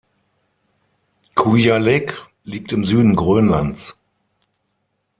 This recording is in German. Kujalleq liegt im Süden Grönlands.